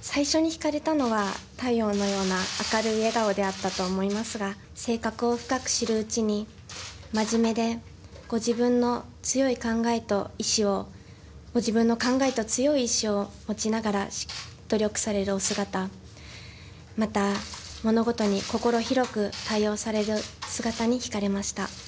最初にひかれたのは、太陽のような明るい笑顔であったと思いますが、性格を深く知るうちに、真面目で、ご自分の強い考えと意志を、ご自分の考えと強い意志を持ちながら、努力されるお姿、また物事に心広く対応される姿にひかれました。